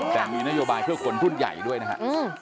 แต่มีนโยบายเพื่อคนรุ่นใหญ่ด้วยนะครับ